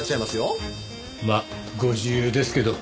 まあご自由ですけど。